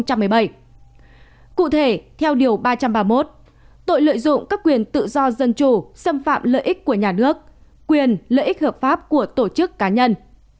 cụ thể theo điều ba trăm ba mươi một tội lợi dụng các quyền tự do dân chủ xâm phạm lợi ích của nhà nước quyền lợi ích hợp pháp của tổ chức cá nhân